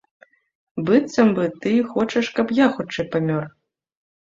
Быццам бы ты і хочаш, каб я хутчэй памёр.